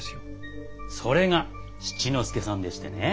それが七之助さんでしてね。